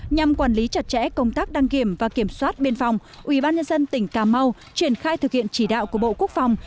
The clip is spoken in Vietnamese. nhằm quản lý chặt chẽ công tác đăng kiểm và kiểm soát biên phòng ubnd tỉnh cà mau triển khai thực hiện chỉ đạo của bộ quốc phòng